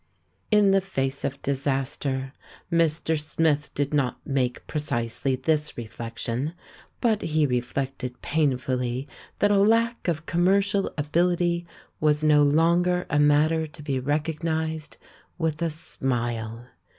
In the face of disaster Mr. Smith did not make precisely this reflection, but he reflected painfully that a lack of commercial ability was no longer a matter to be recognised with a smile.